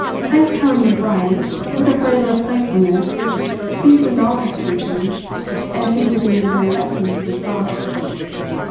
Heyst's tone was light, with the flavour of playfulness which seasoned all his speeches and seemed to be of the very essence of his thoughts.